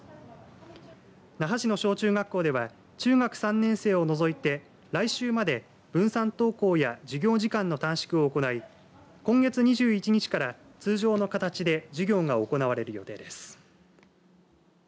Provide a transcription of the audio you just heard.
那覇市の小中学校では中学３年生を除いて、来週まで分散登校や授業時間の短縮を行い今月２１日から通常の形で授業が行われる予定です。